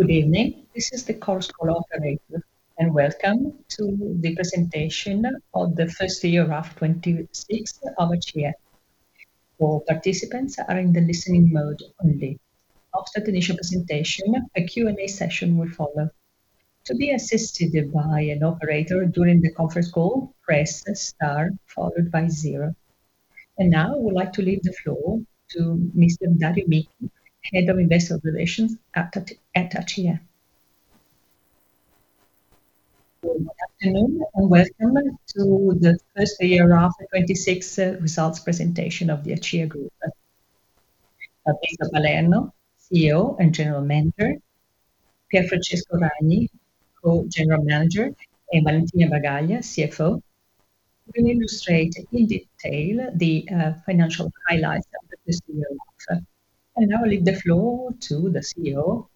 Good evening. This is the conference call operator, welcome to the presentation of the first year of 2026 of ACEA. All participants are in the listening mode only. After the initial presentation a Q&A session will follow. To be assisted by an operator during the conference call, press star followed by zero. Now I would like to leave the floor to Mr. Dario Michi, Head of Investor Relations at ACEA. Good afternoon, welcome to the first year of our 2026 results presentation of the ACEA Group. Fabrizio Palermo, CEO and General Manager, Pier Francesco Ragni, Co-General Manager, Valentina Bracaglia, CFO, will illustrate in detail the financial highlights of the first year. Now I leave the floor to the CEO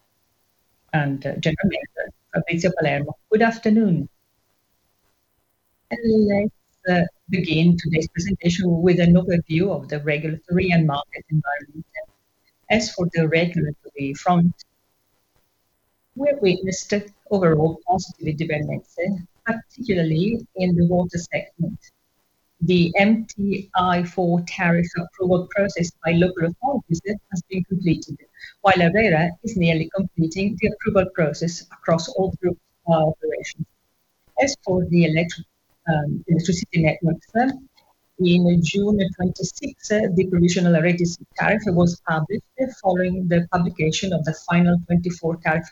and General Manager, Fabrizio Palermo. Good afternoon. Let's begin today's presentation with an overview of the regulatory and market environment. As for the regulatory front, we have witnessed overall positive developments, particularly in the water segment. The MTI-4 tariff approval process by local authorities has been completed, while ARERA is nearly completing the approval process across all group operations. As for the electricity networks in June 2026, the provisional regulatory tariff was published following the publication of the final 2024 tariff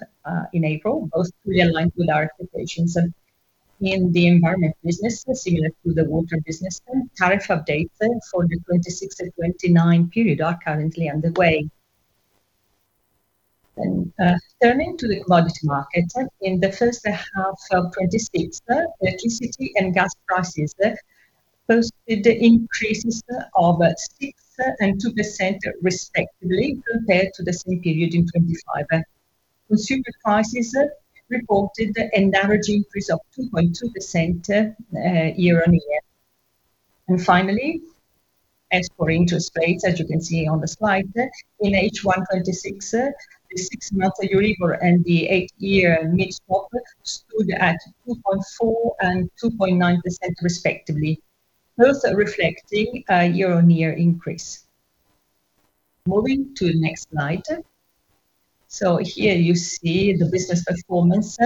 in April, both fully in line with our expectations. In the environment business, similar to the water business, tariff updates for the 2026 and 2029 period are currently underway. Turning to the commodity market, in the first half of 2026, electricity and gas prices posted increases of 6% and 2% respectively compared to the same period in 2025. Consumer prices reported an average increase of 2.2% year-on-year. Finally, as per interest rates, as you can see on the slide, in H1 2026 the six-month Euribor and the eight-year mid-swap stood at 2.4% and 2.9% respectively, both reflecting a year-on-year increase. Moving to the next slide. Here you see the business performance.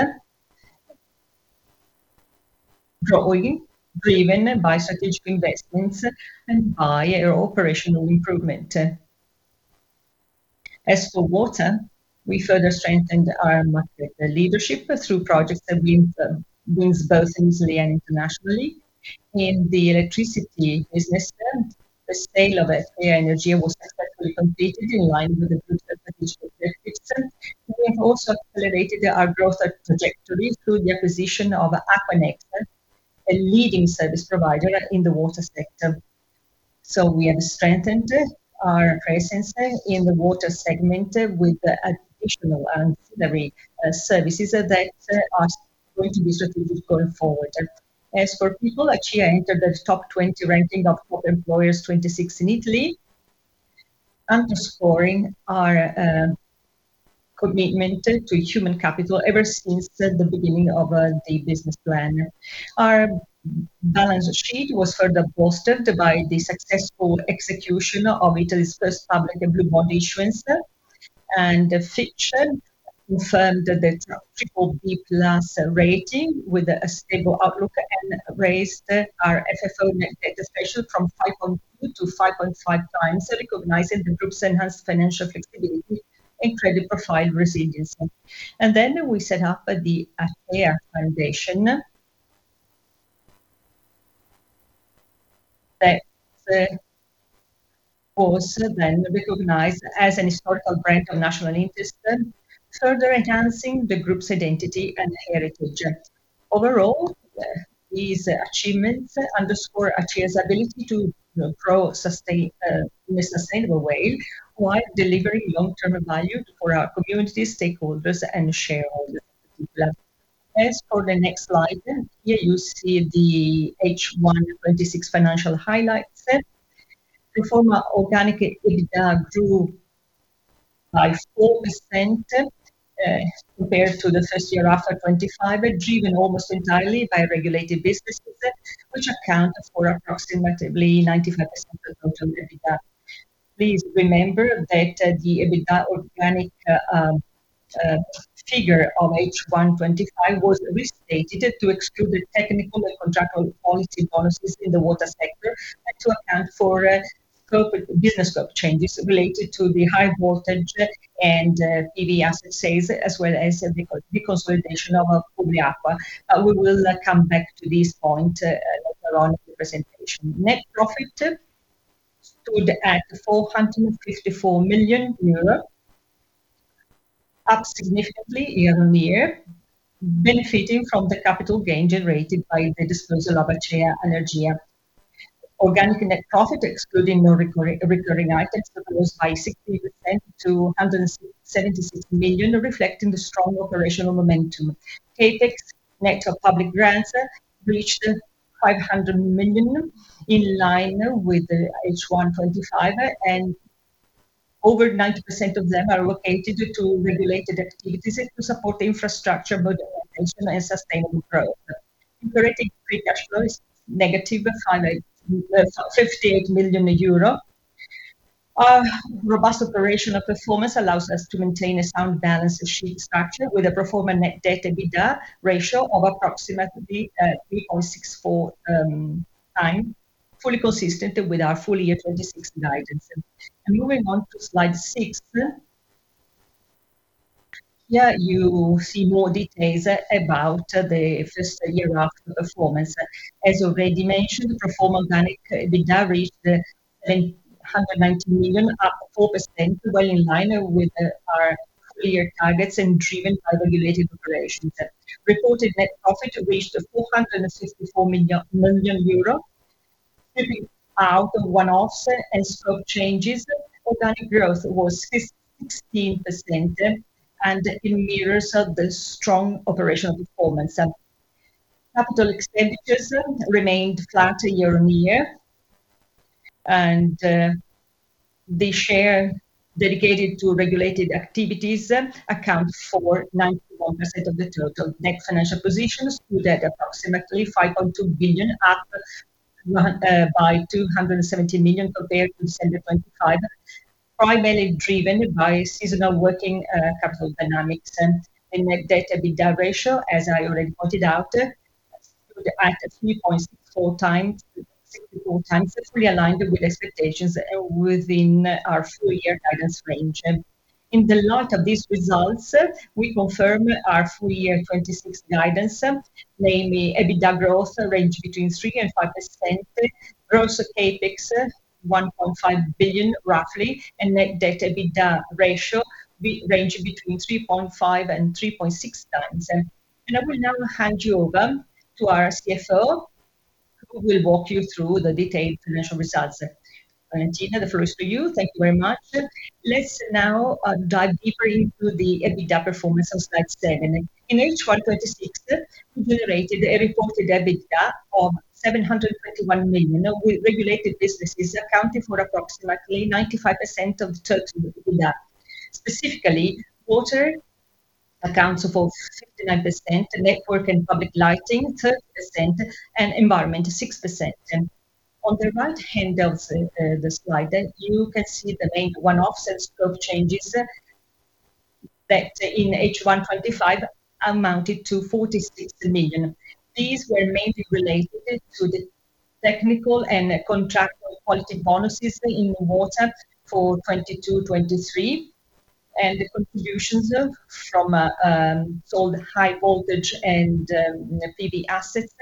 Growing, driven by strategic investments and by operational improvement. As for water, we further strengthened our market leadership through projects that wins both in Italy and internationally. In the electricity business, the sale of ACEA Energia was successfully completed in line with the group's strategic objectives. We have also accelerated our growth trajectory through the acquisition of Aquanexa, a leading service provider in the water sector. We have strengthened our presence in the water segment with additional ancillary services that are going to be strategic going forward. As for people, ACEA entered the top 20 ranking of employers 2026 in Italy, underscoring our commitment to human capital ever since the beginning of the business plan. Our balance sheet was further bolstered by the successful execution of Italy's first public blue bond issuance. Fitch confirmed the BBB+ rating with a stable outlook and raised our FFO net debt ratio from 5.2 to 5.5 times, recognizing the group's enhanced financial flexibility and credit profile resilience. Then we set up the ACEA Foundation, that was then recognized as an historical brand of national interest, further enhancing the group's identity and heritage. Overall, these achievements underscore ACEA's ability to grow in a sustainable way while delivering long-term value for our community, stakeholders, and shareholders. As for the next slide, here you see the H1 2026 financial highlights. Pro forma organic EBITDA grew by 4% compared to the first year after 2025, driven almost entirely by regulated businesses, which account for approximately 95% of total EBITDA. Please remember that the EBITDA organic figure of H1 2025 was restated to exclude the technical and contractual quality bonuses in the water sector and to account for business scope changes related to the high voltage and PV assets sales, as well as the deconsolidation of Publiacqua. We will come back to this point later on in the presentation. Net profit stood at 454 million euro, up significantly year-on-year, benefiting from the capital gain generated by the disposal of ACEA Energia. Organic net profit, excluding non-recurring items, rose by [60%] to 176 million, reflecting the strong operational momentum. CapEx, net of public grants, reached 500 million in line with the H1 2025. Over 90% of them are allocated to regulated activities and to support the infrastructure modernization and sustainable growth. Operating free cash flow is negative 58 million euro. Our robust operational performance allows us to maintain a sound balance sheet structure with a pro forma net debt to EBITDA ratio of approximately 3.64 times, fully consistent with our full-year 2026 guidance. Moving on to slide six. Here, you see more details about the first year of performance. As already mentioned, pro forma organic EBITDA reached 190 million up 4%, well in line with our clear targets and driven by regulated operations. Reported net profit reached EUR 464 million, taking out the one-offs and scope changes. Organic growth was 16%. It mirrors the strong operational performance. Capital expenditures remained flat year-on-year. The share dedicated to regulated activities account for 91% of the total. Net financial positions stood at approximately 5.2 billion, up by 270 million compared to end of 2025, primarily driven by seasonal working capital dynamics. Net debt to EBITDA ratio, as I already pointed out, stood at 3.64 times, fully aligned with expectations and within our full-year guidance range. In the light of these results, we confirm our full-year 2026 guidance, namely EBITDA growth range between 3%-5%, gross CapEx 1.5 billion roughly, and net debt to EBITDA ratio range between 3.5-3.6 times. I will now hand you over to our CFO, who will walk you through the detailed financial results. Valentina, the floor is to you. Thank you very much. Let's now dive deeper into the EBITDA performance on slide seven. In H1 2026, we generated a reported EBITDA of 721 million, with regulated businesses accounting for approximately 95% of the total EBITDA. Specifically, water accounts for 59%, network and public lighting 30%, and environment 6%. On the right hand of the slide, you can see the main one-offs and scope changes that in H1 2025 amounted to 46 million. These were mainly related to the technical and contractual quality bonuses in water for 2022, 2023. The contributions from sold high voltage and PV assets,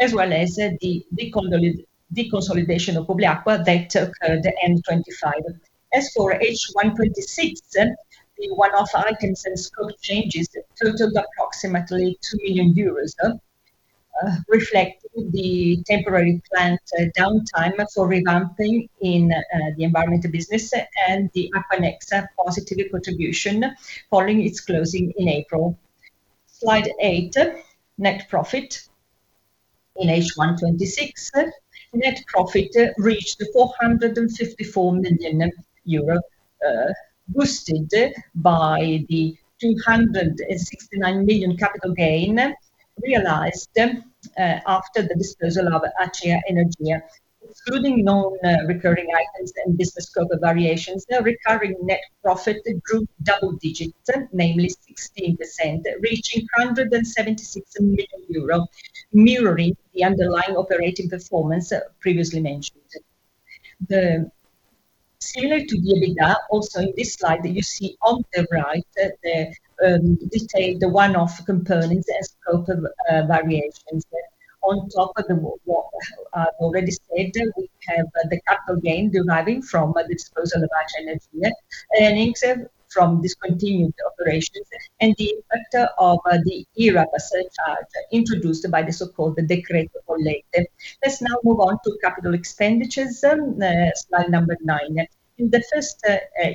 as well as the deconsolidation of Publiacqua that occurred end 2025. As for H1 2026, the one-off items and scope changes totaled approximately 2 million euros, reflecting the temporary plant downtime for revamping in the environmental business and the Aquanexa positive contribution following its closing in April. Slide eight, net profit. In H1 2026, net profit reached 454 million euro, boosted by the 269 million capital gain realized after the disposal of ACEA Energia. Excluding non-recurring items and business scope variations, the recurring net profit grew double digits, namely 16%, reaching 176 million euro, mirroring the underlying operating performance previously mentioned. Similar to the EBITDA, also in this slide you see on the right the detailed one-off components and scope of variations. On top of what I've already said, we have the capital gain deriving from the disposal of ACEA Energia, earnings from discontinued operations, and the impact of the IRES surcharge introduced by the so-called Decreto Legge. Let's now move on to capital expenditures, slide nine. In the first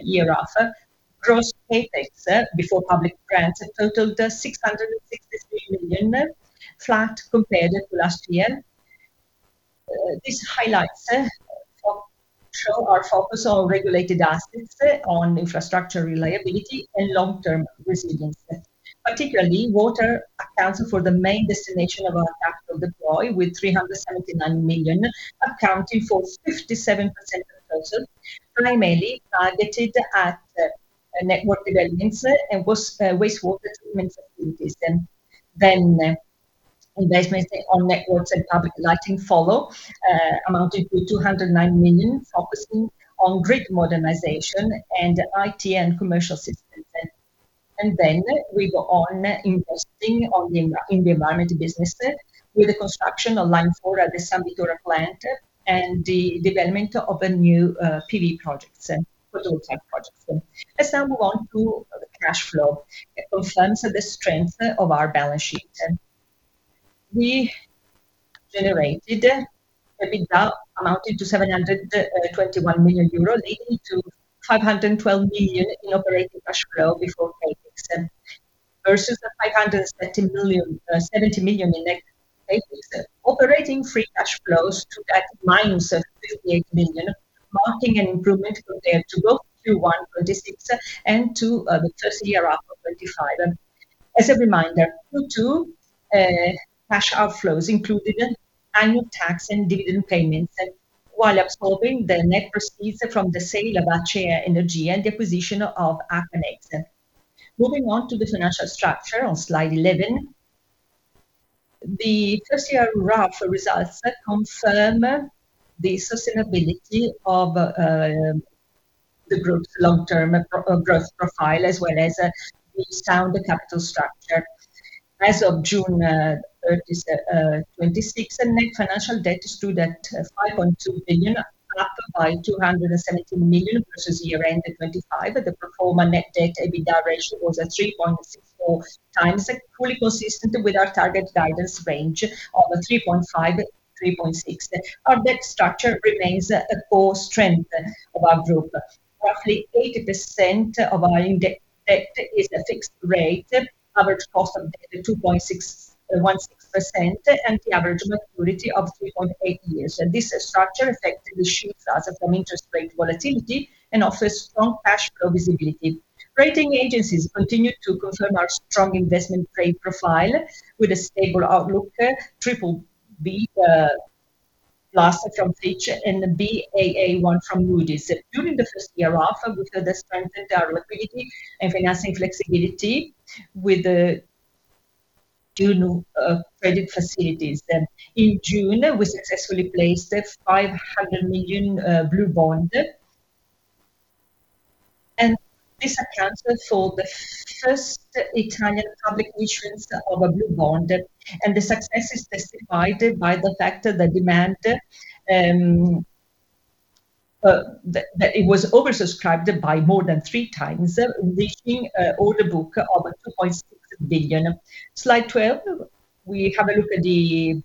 year, our gross CapEx, before public grants, totaled 663 million, flat compared to last year. This highlights our focus on regulated assets, on infrastructure reliability and long-term resilience. Particularly, water accounts for the main destination of our capital deploy, with 379 million accounting for 57% of the total, primarily targeted at network developments and wastewater treatment facilities. Investments on networks and public lighting follow, amounted to 209 million, focusing on grid modernization and IT and commercial systems. Then we go on investing in the environment business with the construction of Line 4 at the Sambuceto plant and the development of new PV projects, photovoltaic projects. Let's now move on to cash flow. It confirms the strength of our balance sheet. We generated EBITDA amounted to 721 million euro, leading to 512 million in operating cash flow before CapEx versus the 570 million in FY 2025. Operating free cash flows took that minus [58] million, marking an improvement compared to both Q1 2026 and to the first year half of 2025. As a reminder, Q2 cash outflows included annual tax and dividend payments, while absorbing the net proceeds from the sale of ACEA Energia and the acquisition of Aquanexa. Moving on to the financial structure on slide 11. The first year half results confirm the sustainability of the group's long-term growth profile, as well as a sound capital structure. As of June 30th, 2026, net financial debt stood at 5.2 billion, up by 217 million versus year-end at 2025. The pro forma net debt/EBITDA ratio was at 3.64 times, fully consistent with our target guidance range of 3.5-3.6. Our debt structure remains a core strength of our group. Roughly 80% of our debt is fixed rate, average cost of debt at 2.16%, and the average maturity of 3.8 years. This structure effectively shields us from interest rate volatility and offers strong cash flow visibility. Rating agencies continue to confirm our strong investment grade profile with a stable outlook, BBB+ from Fitch Ratings and Baa1 from Moody's. During the first year half, we further strengthened our liquidity and financing flexibility with the June credit facilities. In June, we successfully placed a 500 million blue bond. This accounts for the first Italian public issuance of a blue bond, and the success is testified by the fact that it was oversubscribed by more than three times, reaching an order book of 2.6 billion. Slide 12, we have a look at the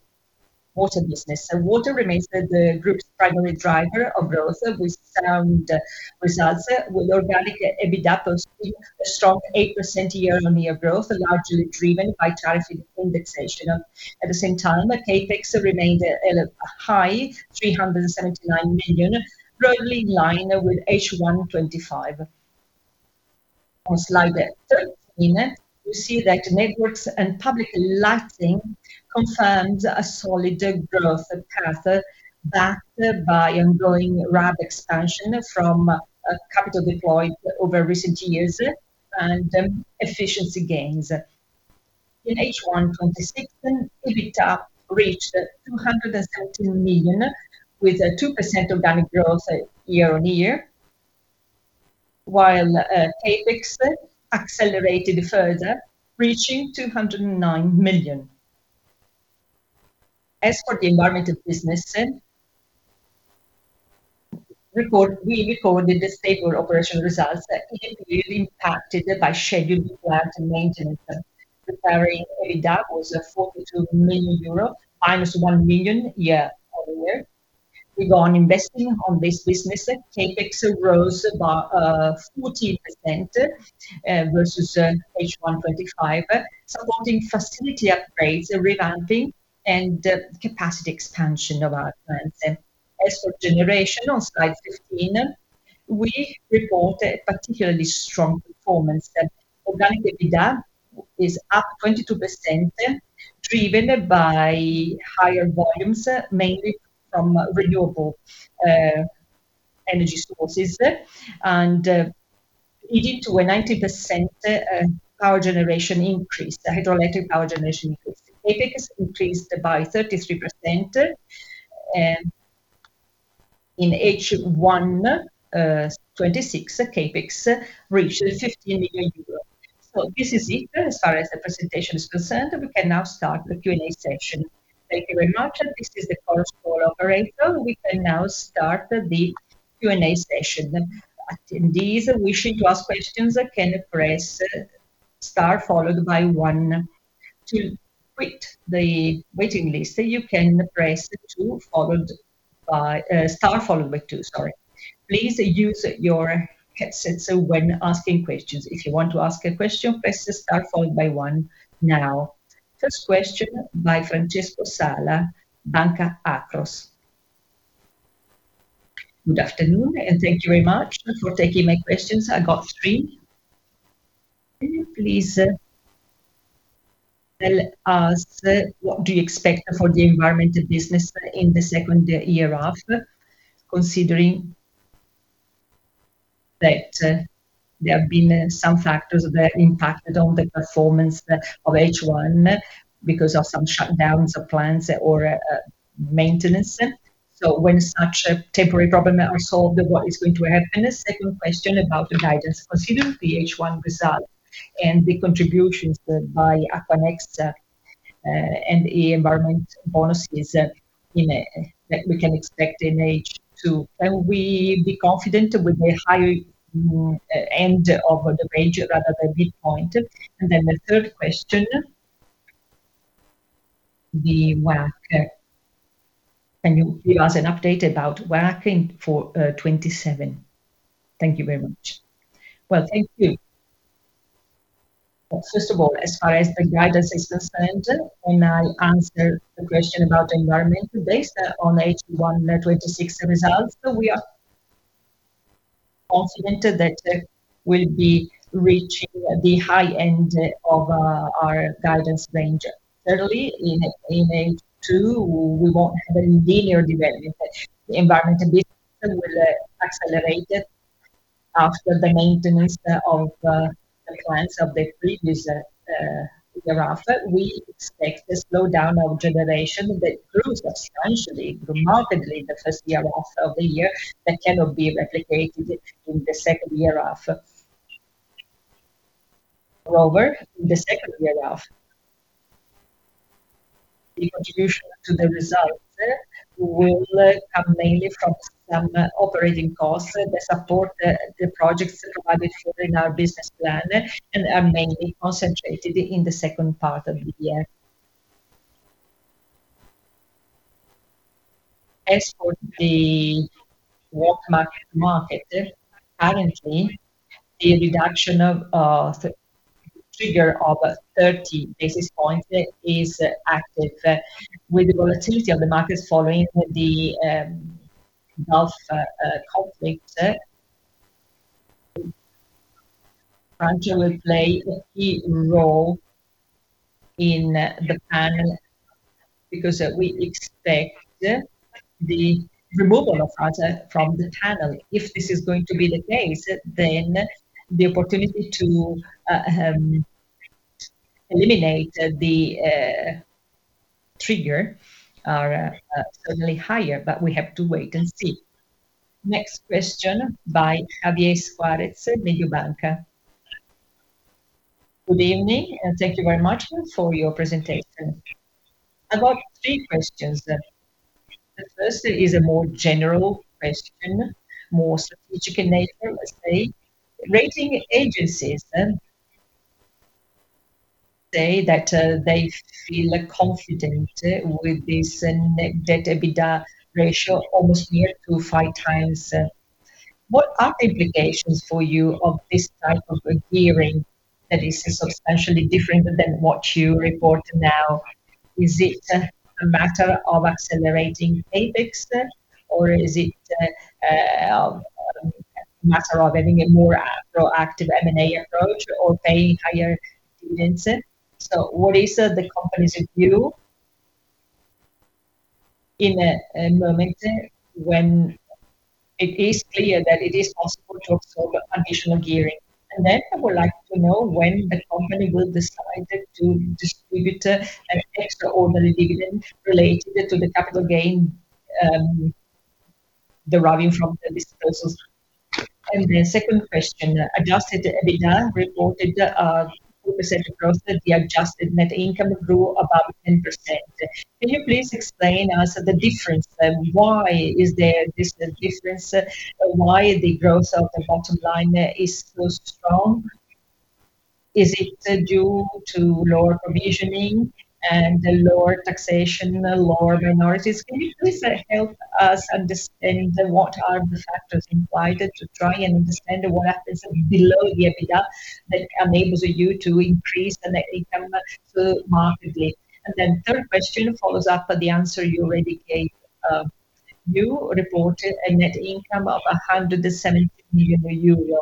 water business. Water remains the group's primary driver of growth, with sound results, with organic EBITDA posting a strong 8% year-on-year growth, largely driven by tariff indexation. At the same time, CapEx remained at a high 379 million, broadly in line with H1 2025. On slide 13, we see that networks and public lighting confirmed a solid growth path, backed by ongoing RAB expansion from capital deployed over recent years and efficiency gains. In H1 2026, EBITDA reached 217 million with a 2% organic growth year-on-year, while CapEx accelerated further, reaching 209 million. As for the environmental business, we recorded stable operational results, heavily impacted by scheduled plant maintenance. Operating EBITDA was 42 million euro, minus 1 million year-over-year. We go on investing on this business. CapEx rose by 14% versus H1 2025, supporting facility upgrades, revamping, and capacity expansion of our plants. As for generation on slide 15, we reported particularly strong performance. Organic EBITDA is up 22%, driven by higher volumes, mainly from renewable energy sources, and leading to a 90% hydroelectric power generation increase. CapEx increased by 33%, and in H1 2026, CapEx reached 15 million euros. This is it as far as the presentation is concerned. We can now start the Q&A session. Thank you very much. This is the conference call operator. We can now start the Q&A session. Attendees wishing to ask questions can press Star followed by one. To quit the waiting list, you can press Star followed by two. Sorry. Please use your headset when asking questions. If you want to ask a question, press Star followed by one now. First question by Francesco Sala, Banca Akros. Good afternoon, and thank you very much for taking my questions. I got three. Can you please tell us what do you expect for the environmental business in the second year half, considering that there have been some factors that impacted on the performance of H1 because of some shutdowns of plants or maintenance? When such a temporary problem are solved, what is going to happen? A second question about the guidance, considering the H1 result and the contributions by Aquanexa and the environment bonuses that we can expect in H2. Can we be confident with the higher end of the range rather than midpoint? The third question The WACC. Can you give us an update about WACC for 2027? Thank you very much. Well, thank you. First of all, as far as the guidance is concerned, when I answer the question about the environment today on H1 net 2026 results, we are confident that we'll be reaching the high end of our guidance range. Thirdly, in H2, we won't have a linear development. The environment development will accelerate after the maintenance of the plants of the previous year after. We expect a slowdown of generation that grows substantially, remarkably in the first half of the year, that cannot be replicated in the second year after. Moreover, in the second year after, the contribution to the results will come mainly from some operating costs that support the projects provided for in our business plan and are mainly concentrated in the second part of the year. As for the WACC market, currently, the reduction of trigger of 30 basis points is active. With the volatility of the markets following the Gulf conflict, gradually play a key role in the panel because we expect the removal of hazard from the tunnel. If this is going to be the case, then the opportunity to eliminate the trigger are certainly higher, but we have to wait and see. Next question by Javier Suárez, Mediobanca. Good evening, thank you very much for your presentation. I've got three questions. The first is a more general question, more strategic in nature, let's say. Rating agencies say that they feel confident with this net debt EBITDA ratio almost near to five times. What are the implications for you of this type of gearing that is substantially different than what you report now? Is it a matter of accelerating CapEx, or is it a matter of having a more proactive M&A approach or paying higher dividends? What is the company's view in a moment when it is clear that it is possible to absorb additional gearing? I would like to know when the company will decide to distribute an extraordinary dividend related to the capital gain deriving from the disposals. The second question, adjusted EBITDA reported a 2% growth, the adjusted net income grew above 10%. Can you please explain us the difference? Why is there this difference? Why the growth of the bottom line is so strong? Is it due to lower provisioning and lower taxation, lower than ours? Can you please help us understand what are the factors implied to try and understand what happens below the EBITDA that enables you to increase net income so markedly? Third question follows up the answer you already gave. You reported a net income of 170 million euro.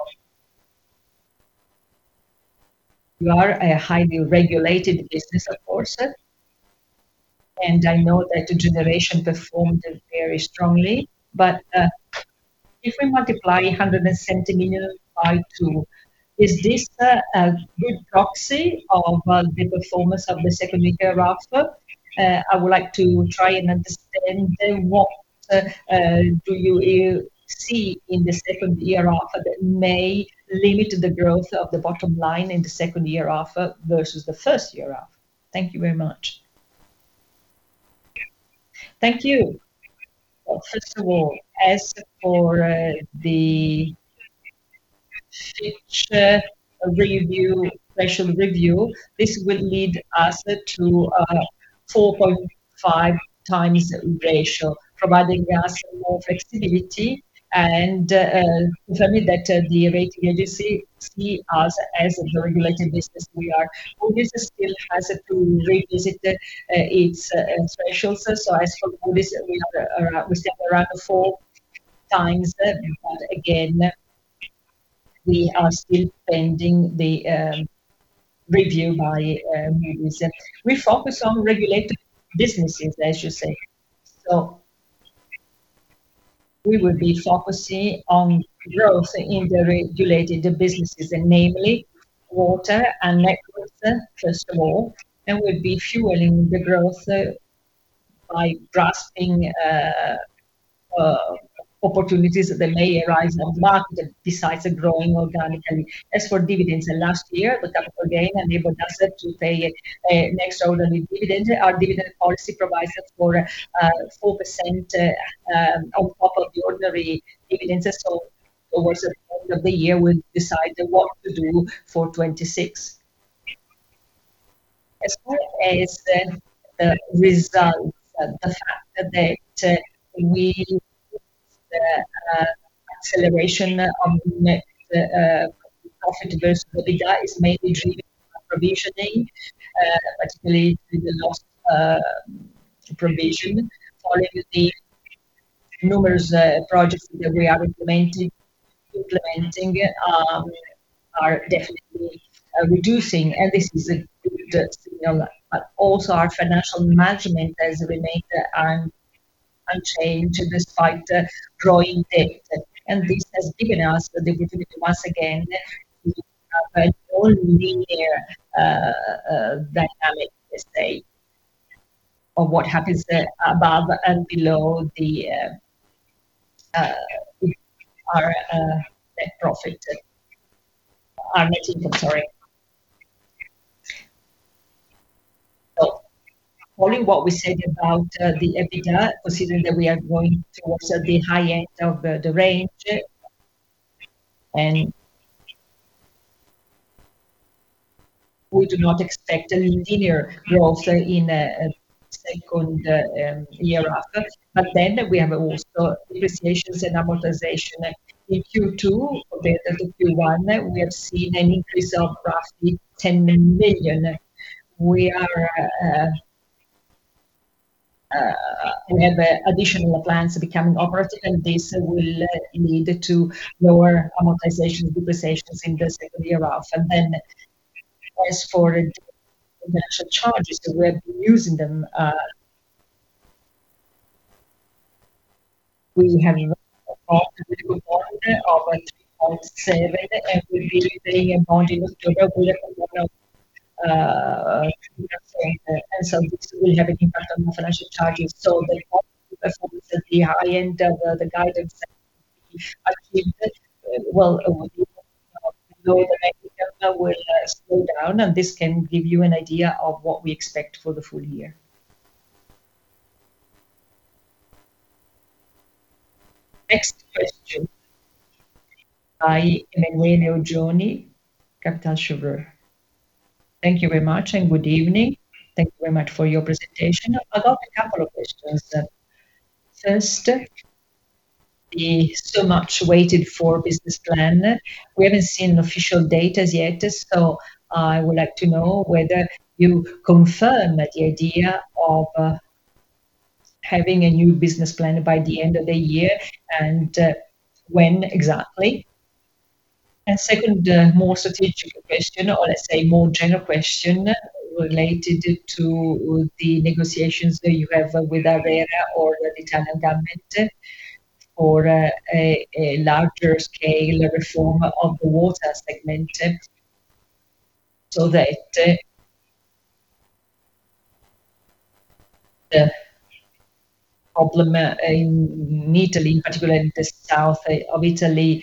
You are a highly regulated business, of course, and I know that the generation performed very strongly. If we multiply 170 million by two is this a good proxy of the performance of the second year after? I would like to try and understand what do you see in the second year after that may limit the growth of the bottom line in the second year after versus the first year after. Thank you very much. Thank you. First of all, as for the Fitch special review, this will lead us to a 4.5 time ratio, providing us more flexibility, and confirming that the rating agency see us as the regulated business we are. Moody's still has to revisit its specials. As for Moody's, we sit around the four time, but again, we are still pending the review by Moody's. We focus on regulated businesses, I should say. We would be focusing on growth in the regulated businesses, namely water and networks, first of all, and we'll be fueling the growth by grasping opportunities that may arise on market besides growing organically. As for dividends, last year, the capital gain enabled us to pay an extraordinary dividend. Our dividend policy provides for 4% on top of the ordinary dividends. Towards the end of the year, we'll decide what to do for 2026. As far as the results, the acceleration on the profit before is mainly driven by provisioning, particularly the lost provision. Following the numerous projects that we are implementing, are definitely reducing, and this is a good signal. Also our financial management has remained unchanged despite the growing debt. This has given us the ability, once again, to have a non-linear dynamic, let's say, of what happens above and below our net profit. Our net income, sorry. Following what we said about the EBITDA, considering that we are going towards the high end of the range, we do not expect a linear growth in the second year after. We have also depreciations and amortization in Q2 compared to Q1, we have seen an increase of roughly 10 million. We have additional plants becoming operative, and this will need to lower amortization depreciations in the second year off. As for financial charges, we have been using them. We have involved over [EUR 3.7] and we'll be paying a bond in October with amount of [EUR 3.7]. This will have an impact on the financial charges. The performance at the high end of the guidance that we achieved, well, will slow down, and this can give you an idea of what we expect for the full year. Next [question.] By Emanuele Oggioni at Kepler Cheuvreux Thank you very much and good evening. Thank you very much for your presentation. I got a couple of questions. First, the so much waited for business plan. We haven't seen official dates yet, so I would like to know whether you confirm the idea of having a new business plan by the end of the year, and when exactly? Second, more strategic question, or let's say more general question related to the negotiations that you have with ARERA or the Italian government or a larger scale reform of the water segment, so that the problem in Italy, particularly in the south of Italy,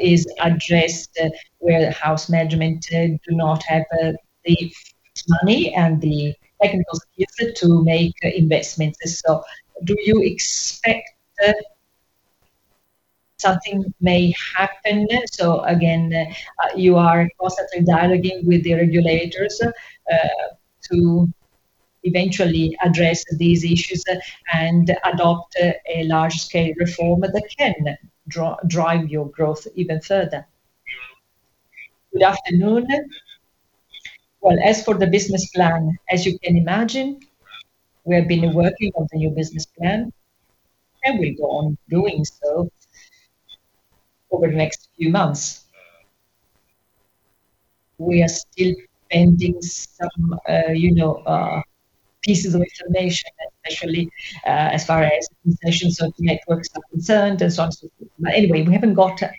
is addressed, where house management do not have the money and the technical skills to make investments. Do you expect something may happen? Again, you are constantly dialoguing with the regulators to eventually address these issues and adopt a large-scale reform that can drive your growth even further. Good afternoon. Well, as for the business plan as you can imagine, we have been working on the new business plan, and we go on doing so over the next few months. We are still pending some pieces of information, especially as far as concessions of networks are concerned and so on. Anyway, we haven't got a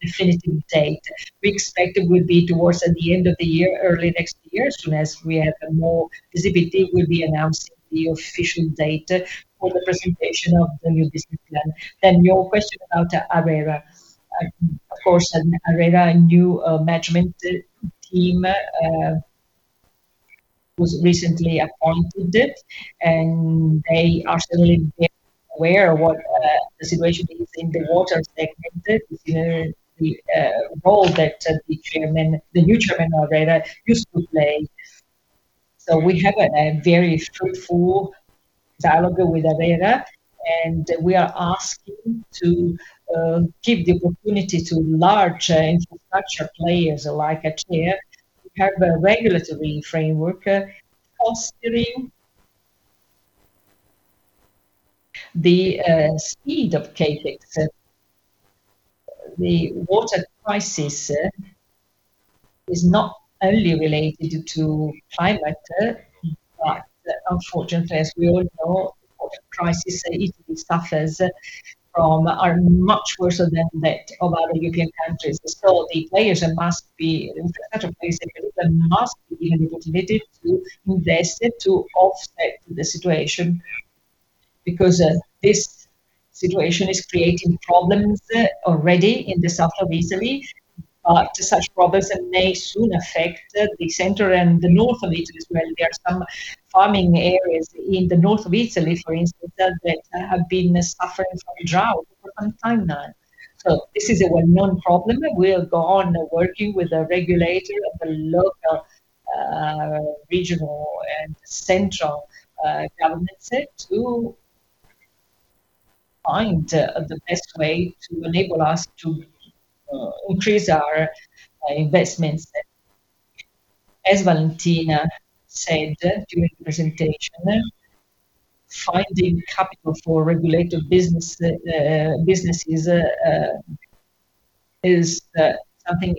definitive date. We expect it will be towards at the end of the year, early next year, as soon as we have more visibility, we'll be announcing the official date for the presentation of the new business plan. Then your question about ARERA. Of course, ARERA, a new management team was recently appointed, they are certainly very aware what the situation is in the water segment, considering the role that the new chairman of ARERA used to play. We have a very fruitful dialogue with ARERA, and we are asking to give the opportunity to large infrastructure players like ACEA to have a regulatory framework considering the speed of change. The water crisis is not only related to climate, unfortunately, as we all know the water crisis Italy suffers from are much worse than that of other European countries. The players in infrastructure space in Italy must be given the opportunity to invest to offset the situation, because this situation is creating problems already in the south of Italy. To such problems that may soon affect the center and the north of Italy, where there are some farming areas in the north of Italy for instance, that have been suffering from drought for some time now. This is a well-known problem, and we'll go on working with the regulator of the local, regional, and central governments to find the best way to enable us to increase our investments. As Valentina said during the presentation, finding capital for regulated businesses is something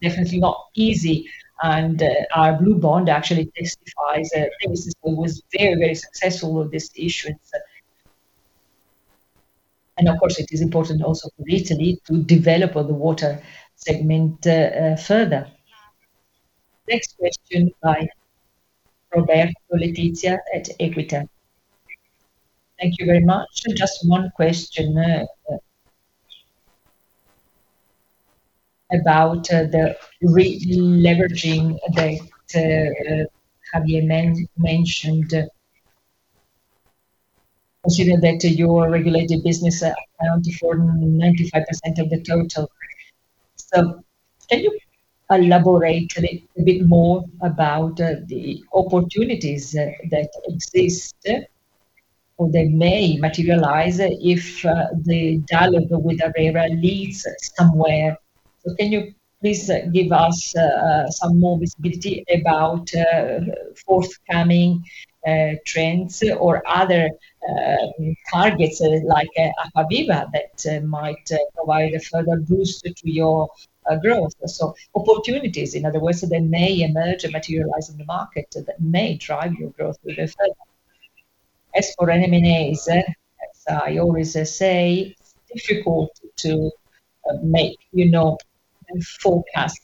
definitely not easy. Our blue bond actually testifies that it was very successful with this issue. Of course, it is important also for Italy to develop the water segment further. Next question by Roberto Letizia at Equita. Thank you very much. Just one question about the re-leveraging that Javier mentioned, considering that your regulated business accounted for 95% of the total. Can you elaborate a bit more about the opportunities that exist or they may materialize if the dialogue with ARERA leads somewhere? Can you please give us some more visibility about forthcoming trends or other targets like Acquaviva that might provide a further boost to your growth? Opportunities in other words, that may emerge or materialize in the market that may drive your growth further. As for M&As, as I always say, difficult to make forecasts.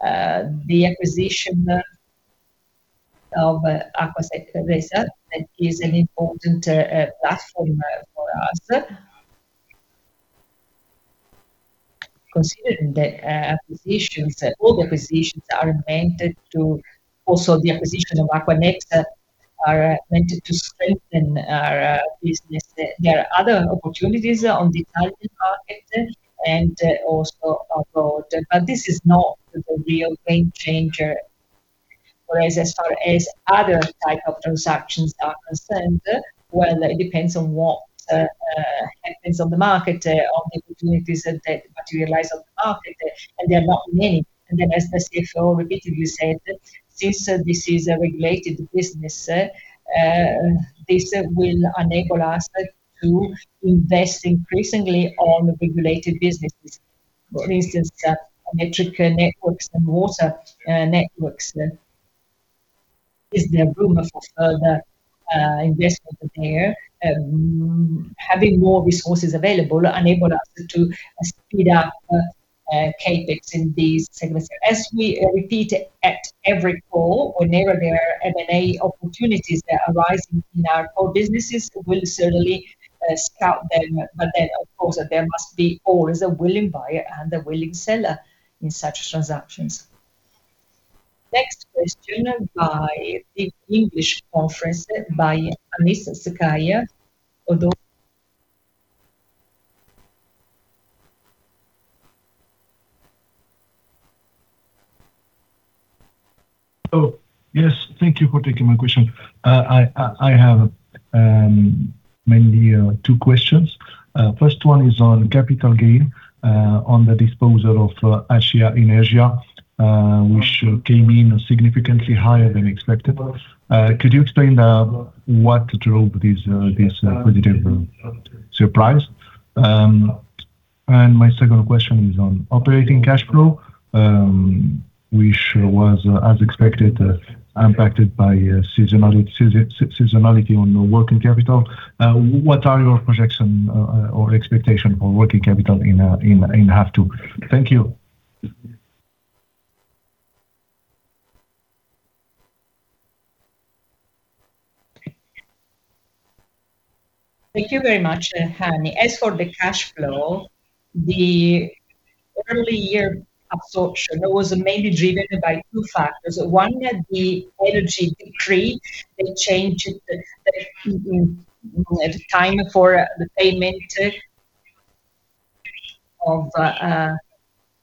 The acquisition of Acquanexa, that is an important platform for us. The acquisition of Acquanexa are meant to strengthen our business. There are other opportunities on the Italian market and also abroad, but this is not the real game changer, whereas as far as other type of transactions are concerned, well, it depends on what happens on the market, on the opportunities that materialize on the market, and they are not many. As the CFO repeatedly said, since this is a regulated business, this will enable us to invest increasingly on regulated businesses. For instance, electric networks and water networks is there room for further investment there? Having more resources available enabled us to speed up CapEx in these segments. As we repeat at every call, whenever there are M&A opportunities that arise in our core businesses, we'll certainly scout them. Of course, there must be always a willing buyer and a willing seller in such transactions. Next question by the English conference by Anis Sakarya.[] Hello. Yes, thank you for taking my question. I have mainly two questions. First one is on capital gain on the disposal of ACEA Energia, which came in significantly higher than expected. Could you explain what drove this positive surprise? My second question is on operating cash flow, which was as expected, impacted by seasonality on working capital. What are your projection or expectation for working capital in half two? Thank you. Thank you very much, Anis. As for the cash flow, the early year absorption was mainly driven by two factors. One, the energy decree, the change in the timing for the payment of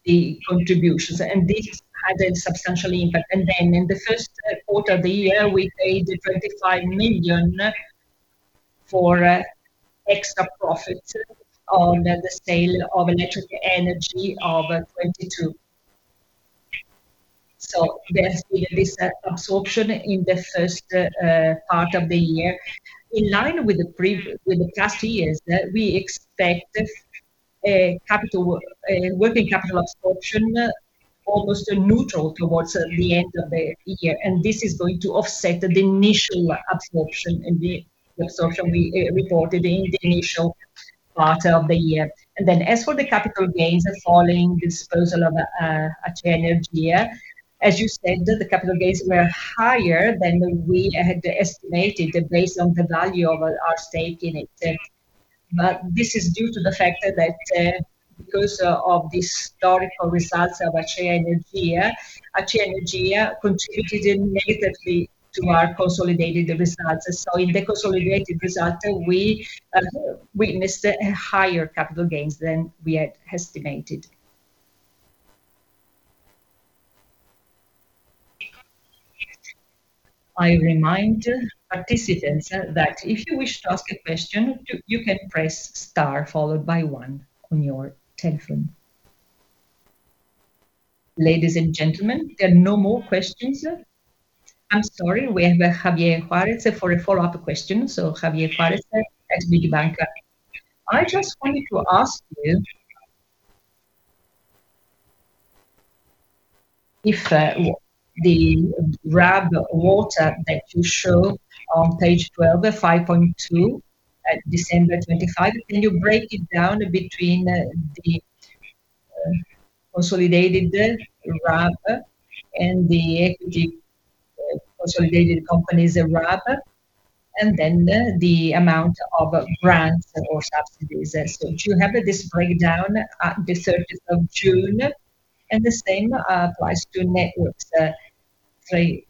the contributions, this had a substantial impact. In the first quarter of the year, we paid 25 million for extra profit on the sale of electric energy of 2022. There's been this absorption in the first part of the year. In line with the past years, we expect working capital absorption almost neutral towards the end of the year, this is going to offset the initial absorption we reported in the initial quarter of the year. As for the capital gains following disposal of ACEA Energia, as you said, the capital gains were higher than we had estimated based on the value of our stake in it. This is due to the fact that because of the historical results of ACEA Energia, ACEA Energia contributed negatively to our consolidated results. In the consolidated result, we witnessed higher capital gains than we had estimated. I remind participants that if you wish to ask a question, you can press star followed by one on your telephone. Ladies and gentlemen, there are no more questions? I'm sorry. We have Javier Suarez for a follow-up question. Javier Juarez at [Mediobanca]. I just wanted to ask you if the RAB water that you show on page 12, [5.2] at December 2025, can you break it down between the consolidated RAB and the equity consolidated company's RAB, then the amount of grants or subsidies? Do you have this breakdown at the 30th of June? The same applies to networks, [3.1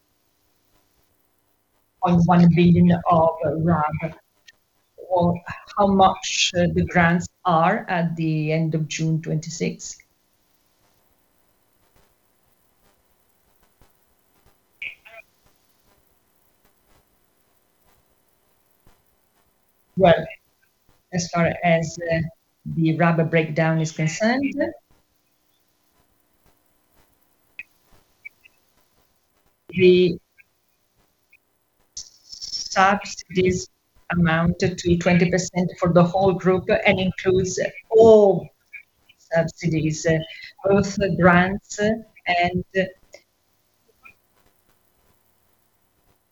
billion] of RAB, or how much the grants are at the end of June 2026? As far as the RAB breakdown is concerned, the subsidies amount to 20% for the whole group and includes all subsidies, both grants.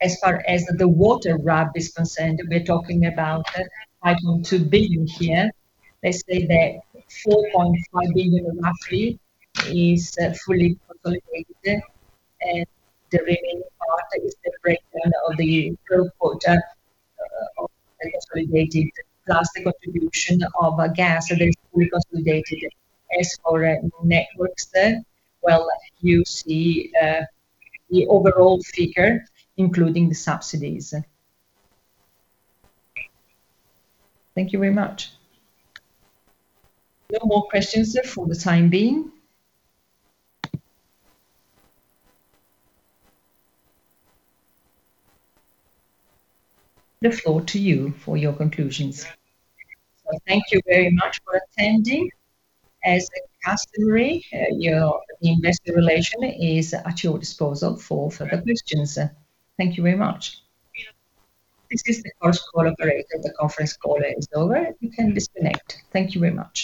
As far as the water RAB is concerned, we're talking about 5.2 billion here. Let's say that 4.5 billion roughly is fully consolidated, the remaining part is the breakdown of the portfolio of the consolidated plus the contribution of gas that is fully consolidated. As for networks, you see the overall figure, including the subsidies. Thank you very much. No more questions for the time being. The floor to you for your conclusions. Thank you very much for attending. As is customary, your investor relations is at your disposal for further questions. Thank you very much. This is the conference call operator. The conference call is over. You can disconnect. Thank you very much.